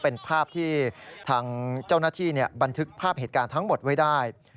เป็นภาพที่ทางเจ้าหน้าที่บันทึกภาพเหตุการณ์ทั้งหมดไว้ได้